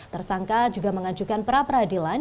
tersangka juga mengajukan pra peradilan